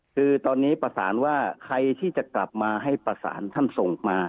คือตอนนี้ประสานว่าใครที่จะกลับมาให้ประสานท่านส่งมา